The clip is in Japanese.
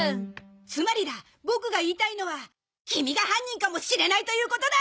つまりだボクが言いたいのはキミが犯人かもしれないということだ！